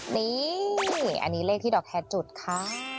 นี่อันนี้เลขที่ดอกแคร์จุดค่ะ